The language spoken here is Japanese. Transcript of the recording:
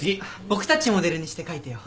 僕たちモデルにして書いてよ。